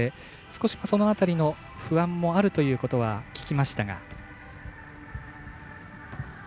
少し、その辺りの不安もあるということは聞きましたが。